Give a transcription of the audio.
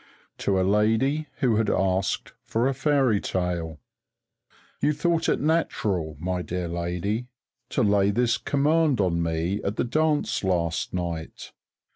To a Lady who had asked for a Fairy Tale. You thought it natural, my dear lady, to lay this command on me at the dance last night.